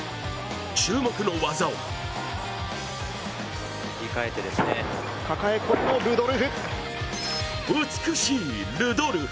注目の技は美しいルドルフ。